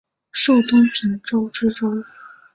授东平州知州。